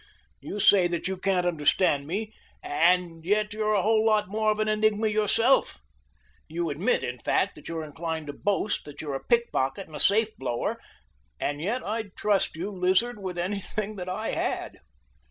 You say that you can't understand me, and yet you're a whole lot more of an enigma yourself! You admit, in fact, you're inclined to boast, that you're a pickpocket and a safe blower and yet I'd trust you, Lizard, with anything that I had."